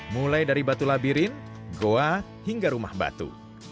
mulai dari batu labirin goa hingga rumah batu